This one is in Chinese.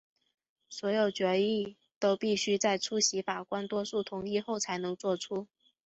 所有决议都必须在出席法官多数同意后才能做出。